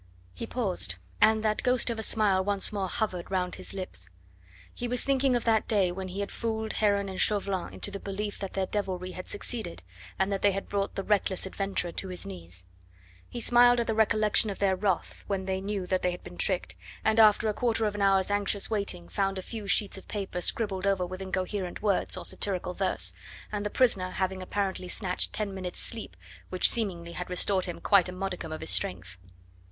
He paused, and that ghost of a smile once more hovered round his lips. He was thinking of that day when he had fooled Heron and Chauvelin into the belief that their devilry had succeeded, and that they had brought the reckless adventurer to his knees. He smiled at the recollection of their wrath when they knew that they had been tricked, and after a quarter of an hour's anxious waiting found a few sheets of paper scribbled over with incoherent words or satirical verse, and the prisoner having apparently snatched ten minutes' sleep, which seemingly had restored to him quite a modicum of his strength.